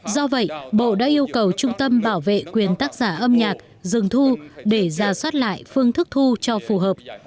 do vậy bộ đã yêu cầu trung tâm bảo vệ quyền tác giả âm nhạc dừng thu để ra soát lại phương thức thu cho phù hợp